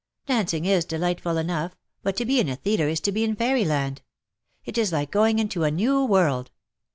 Dancing is delightful enough — but to be in a theatre is to be in fairy land. It is like going into a new world.